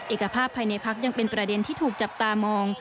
เอกภาพภายในพักยังเป็นประเด็นที่ถูกจับตามอง